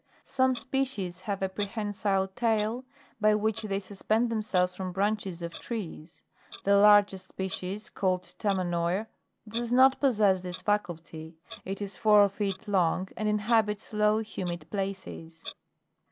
Some species have a prehensile tail, by which they suspend themselves from branches of trees ; the largest species, called Tai/ninoir, does not possess this faculty; it is four feet long, and inhabits low, humid places.